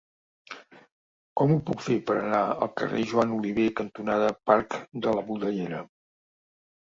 Com ho puc fer per anar al carrer Joan Oliver cantonada Parc de la Budellera?